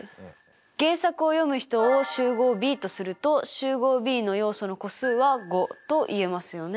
原作を読む人を集合Ｂとすると集合Ｂの要素の個数は５と言えますよね。